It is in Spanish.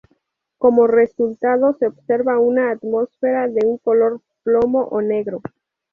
Como resultado se observa una atmósfera de un color plomo o negro.